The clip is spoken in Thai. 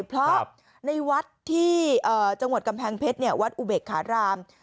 เพราะในวัดที่จังหวัดกำแพงเพชรวัดอุเบกขาราม